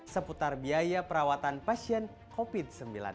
seputar biaya perawatan pasien covid sembilan belas